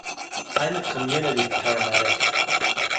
I am a community paramedic.